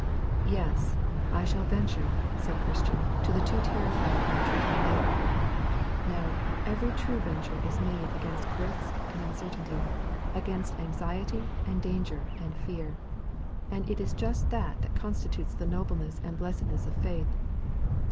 'Yes, I shall venture!' said Christian to the two terrified and retreating men. Now, every true venture is made against risk and uncertainty, against anxiety and danger and fear. And it is just this that constitutes the nobleness and blessedness of faith.